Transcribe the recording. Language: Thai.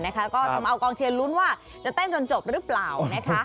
แล้วก็เอากองเชียร์รุ้นว่าจะเต้นจนจบหรือเปล่า